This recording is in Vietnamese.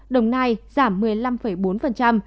đồng nai giảm một mươi năm bốn